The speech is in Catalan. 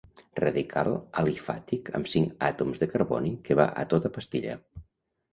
Radical alifàtic amb cinc àtoms de carboni que va a tota pastilla.